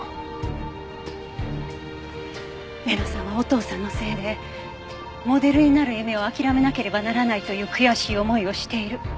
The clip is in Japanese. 礼菜さんはお父さんのせいでモデルになる夢を諦めなければならないという悔しい思いをしている。